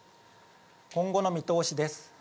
今後の見通しです。